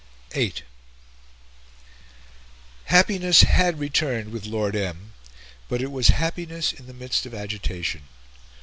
VIII Happiness had returned with Lord M., but it was happiness in the midst of agitation.